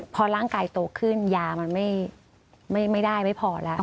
พอร่างกายโตขึ้นยามันไม่ได้ไม่พอแล้ว